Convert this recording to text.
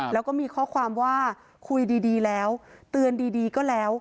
แล้วก็มีข้อความว่าคุยดีแล้วเตือนดีก็แล้ว